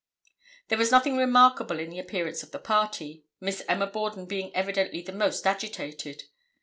There was nothing remarkable in the appearance of the party, Miss Emma Borden being evidently the most agitated.